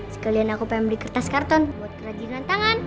sekalian aku pengen beli kertas karton buat kerajinan tangan